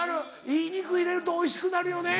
いい肉入れるとおいしくなるよね。